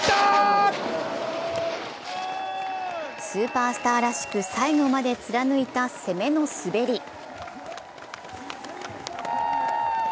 スーパースターらしく、最後まで貫いた攻めの滑り。